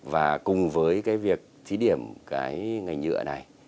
và cùng với cái việc thí điểm cái ngành nhựa này